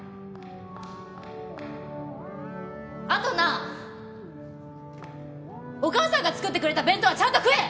あとなお母さんが作ってくれた弁当はちゃんと食え！